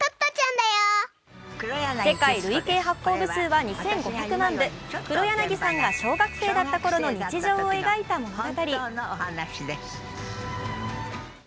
世界累計発行部数は２５００万部、黒柳さんが小学生だったころの日常を描いた物語。